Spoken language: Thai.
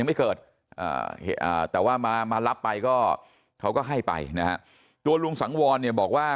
ยังไม่เกิดแต่ว่ามารับไปก็เขาก็ให้ไปตัวลุงสังวรบอกว่า